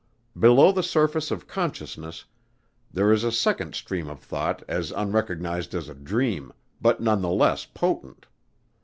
Below the surface of consciousness, there is a second stream of thought as unrecognized as a dream, but none the less potent."